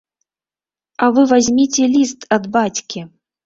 А вы вазьміце ліст ад бацькі!